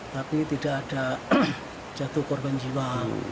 tapi tidak ada jatuh korban jiwa